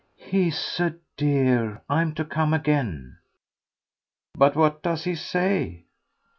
"He's a dear. I'm to come again." "But what does he say?"